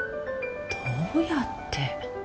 どうやって。